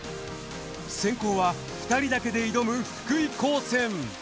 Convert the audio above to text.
先攻は２人だけで挑む福井高専。